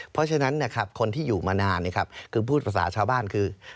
เพราะฉะนั้นนะครับคนที่อยู่มานานคือพูดภาษาชาวบ้านคือ